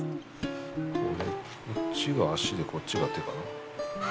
こっちが脚でこっちが手かな？